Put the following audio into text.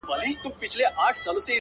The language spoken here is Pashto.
اسان به نه وي خو ديدن به دې کومه داسې’